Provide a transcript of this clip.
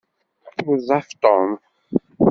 Yuẓẓaf Tom.